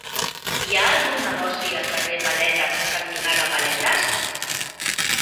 Hi ha algun negoci al carrer Paletes cantonada Paletes?